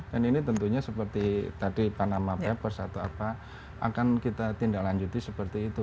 dan ini tentunya seperti tadi panama papers atau apa akan kita tindak lanjuti seperti itu